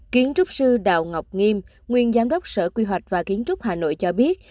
kiến trúc sư đào ngọc nghiêm nguyên giám đốc sở quy hoạch và kiến trúc hà nội cho biết